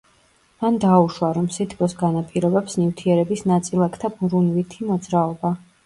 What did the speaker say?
მან დაუშვა, რომ სითბოს განაპირობებს ნივთიერების ნაწილაკთა ბრუნვითი მოძრაობა.